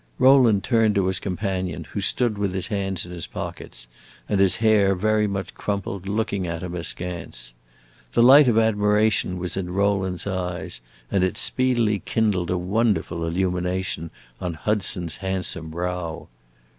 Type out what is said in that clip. Rowland turned to his companion, who stood with his hands in his pockets and his hair very much crumpled, looking at him askance. The light of admiration was in Rowland's eyes, and it speedily kindled a wonderful illumination on Hudson's handsome brow.